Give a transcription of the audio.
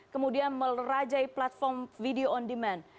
kemudian merajai platform video on demand